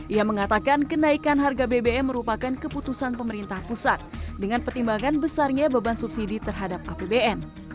ia mengatakan kenaikan harga bbm merupakan keputusan pemerintah pusat dengan pertimbangan besarnya beban subsidi terhadap apbn